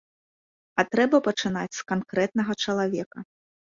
А трэба пачынаць з канкрэтнага чалавека.